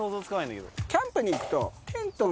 キャンプに行くと。